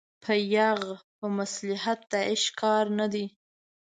په يرغ په مصلحت د عشق کار نه دی